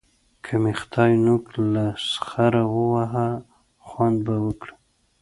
که مې خدای نوک له سخره وواهه؛ خوند به وکړي.